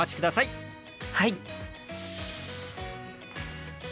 はい。